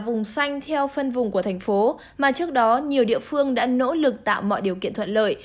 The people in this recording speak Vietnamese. nhưng cũng là vùng xanh theo phân vùng của thành phố mà trước đó nhiều địa phương đã nỗ lực tạo mọi điều kiện thuận lợi